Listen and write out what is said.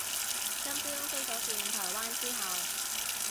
今朝飛咗轉台灣之後